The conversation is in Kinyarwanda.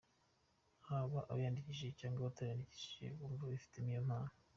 haba abiyandikishije cyangwa abatariyandikisha bumva bifitemo iyo mpano.